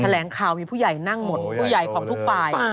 แหลงข่าวมีผู้ใหญ่นั่งหมดผู้ใหญ่ของทุกฝ่าย